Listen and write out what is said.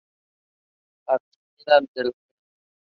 Axioma de la unión.